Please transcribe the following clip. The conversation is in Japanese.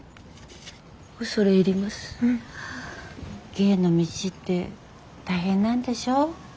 芸の道って大変なんでしょ。